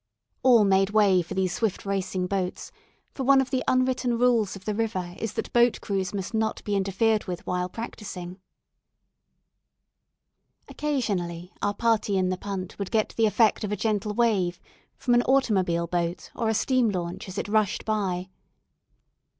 All made way for these swift racing boats, for one of the unwritten rules of the river is that boat crews must not be interfered with while practising. Occasionally our party in the punt would get the effect of a gentle wave from an automobile boat or a steam launch as it rushed by.